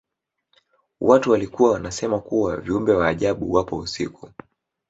Watu walikuwa wanasema kuwa viumbe wa ajabu wapo usiku